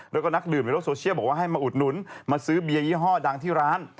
แล้วก็นักดื่มในโลกโซเชียลบอกว่าให้มาอุดหนุนมาซื้อเบียร์ยี่ห้อดังที่ร้าน